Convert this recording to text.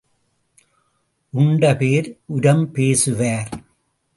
உண்ட பேர் உரம் பேசுவார்.